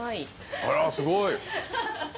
あらすごい！